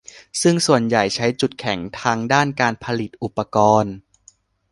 ซึ่งส่วนใหญ่ใช้จุดแข็งทางด้านการผลิตอุปกรณ์